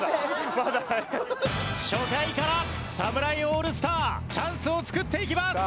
初回から侍オールスターチャンスを作っていきます。